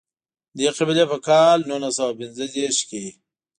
دې قبیلې په کال نولس سوه پېنځه دېرش کې.